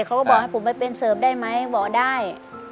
เขาก็บอกให้ผมไปเป็นเสิร์ฟได้ไหมบอกได้